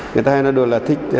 người ta nói đồ là thích